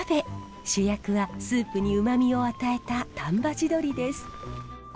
主役はスープにうまみを与えた丹波地鶏です。